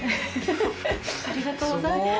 ありがとうございます。